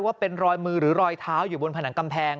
ว่าเป็นรอยมือหรือรอยเท้าอยู่บนผนังกำแพง